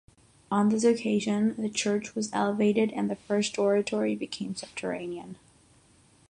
On this occasion, the church was elevated and the first oratory became subterranean.